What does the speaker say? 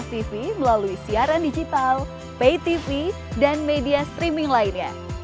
tv melalui siaran digital pay tv dan media streaming lainnya